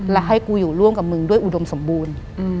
และให้กูอยู่ร่วมกับมึงด้วยอุดมสมบูรณ์